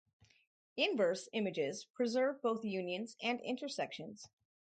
Inverse images preserve both unions and intersections.